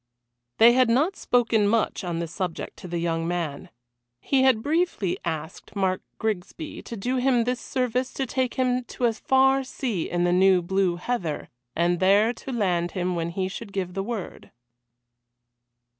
They had not spoken much on the subject to the young man. He had briefly asked Mark Grigsby to do him this service to take him to a far sea in the new Blue Heather, and there to land him when he should give the word.